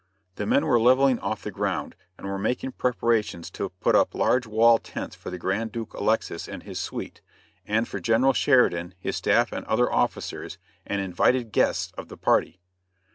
The men were leveling off the ground and were making preparations to put up large wall tents for the Grand Duke Alexis and his suite, and for General Sheridan, his staff and other officers, and invited guests of the party.